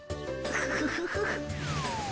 フフフフ。